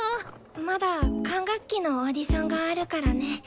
まだ管楽器のオーディションがあるからね。